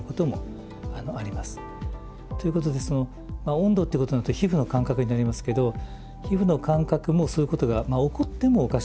ということで温度ってことになると皮膚の感覚になりますけど皮膚の感覚もそういうことが起こってもおかしくはない。